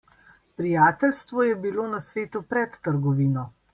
Prijateljstvo je bilo na svetu pred trgovino.